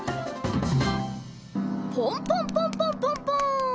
ポンポンポンポンポンポン！